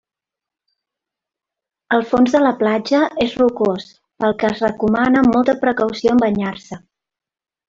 El fons de la platja és rocós pel que es recomana molta precaució en banyar-se.